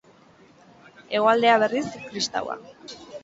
Hegoaldea, berriz, kristaua.